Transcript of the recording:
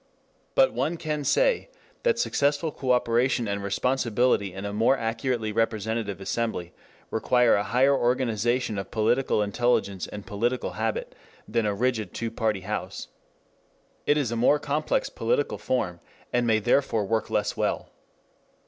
But one can say that successful cooperation and responsibility in a more accurately representative assembly require a higher organization of political intelligence and political habit, than in a rigid two party house. It is a more complex political form and may therefore work less well.